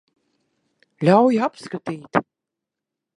Ļauj apskatīt.